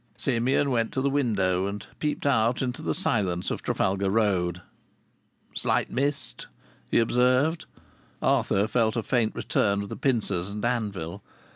Simeon went to the window and peeped out into the silence of Trafalgar Road. "Slight mist," he observed. Arthur felt a faint return of the pincers and anvil.